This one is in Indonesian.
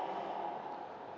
dan juga ingatlah jasminya